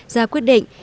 ra quyết định